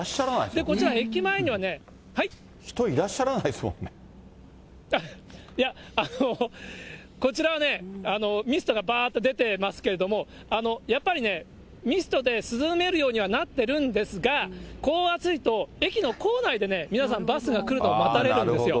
こち人いらっしゃらないですもんいや、こちらはね、ミストがばーっと出てますけれども、やっぱりね、ミストで涼めるようにはなってるんですが、こう暑いと、駅の構内で皆さん、バスが来るのを待たれるんですよ。